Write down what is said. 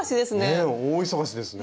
ねえ大忙しですね